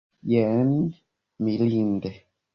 Jen mirinde!